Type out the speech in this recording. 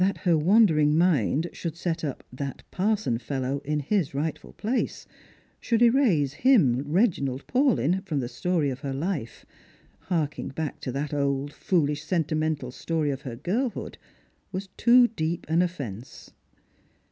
That her wandering mind should set up "that parson fellow" in his rightful place — should erase him, Reginald Paulyn, from the story of her life — harking back to that old foolish sentimental story of her girlhood, was too deep an ofience.